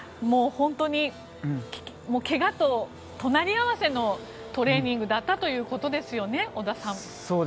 本当にけがと隣り合わせのトレーニングだったということですよね、織田さん。